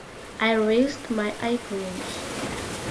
I raised my eyebrows.